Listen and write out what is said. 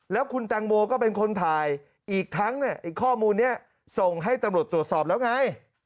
แล้วคุณแตงโมก็เป็นคนถ่ายอีกทั้งข้อมูลนี้ส่งให้ตำรวจตรวจสอบแล้วไง